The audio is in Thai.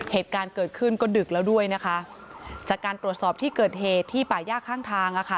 เหตุการณ์เกิดขึ้นก็ดึกแล้วด้วยนะคะจากการตรวจสอบที่เกิดเหตุที่ป่าย่าข้างทางอ่ะค่ะ